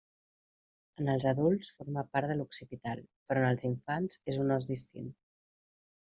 En els adults forma part de l'occipital, però en els infants és un os distint.